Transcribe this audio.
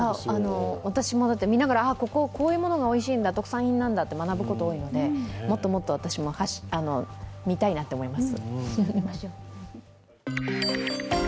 私も見ながらここはこういうものがおいしいんだ、特産品なんだと学ぶことが多いので、もっともっと私も見たいなって思います。